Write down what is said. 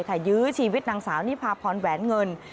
ยื้อชีวิตนางสาวนิพาพรแหวนเงิน